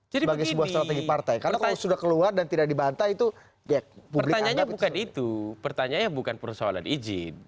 jadi begini pertanyaannya bukan itu pertanyaannya bukan persoalan izin